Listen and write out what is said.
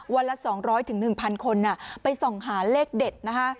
วันละ๒๐๐๑๐๐คนไปส่องหาเลขเด็ดนะคะ